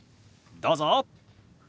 どうぞ。